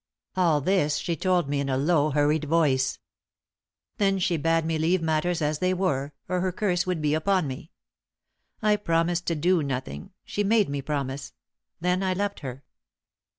All this she told me in a low, hurried voice. Then she bade me leave matters as they were, or her curse would be upon me! I promised to do nothing she made me promise then I left her.